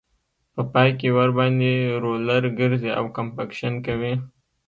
په پای کې ورباندې رولر ګرځي او کمپکشن کوي